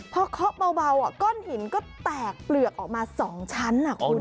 พอเคาะเบาก้อนหินก็แตกเปลือกออกมา๒ชั้นคุณ